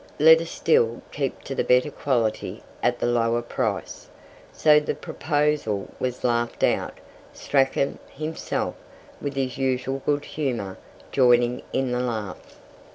Let us still keep to the better quality at the lower price. So the proposal was laughed out, Strachan himself, with his usual good humour, joining in the laugh.